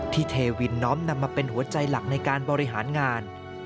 เทวินน้อมนำมาเป็นหัวใจหลักในการบริหารงาน